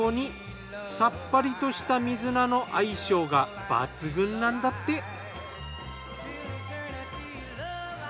さっぱりとした水菜の相性が抜群なんだって。